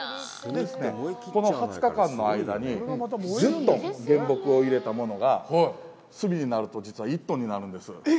この２０日間の間にずっと原木を入れたものが、炭になると、実は１トンになるんです。